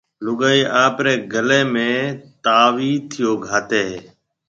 لوگائيَ آپريَ گݪيَ ۾ تائٿيو گھاتيَ ھيََََ